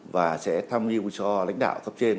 và sẽ tham mưu cho lãnh đạo cấp trên